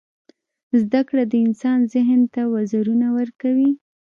• زده کړه د انسان ذهن ته وزرونه ورکوي.